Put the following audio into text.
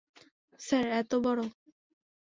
Sir, এতো বড়?